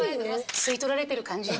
吸い取られてる感じです。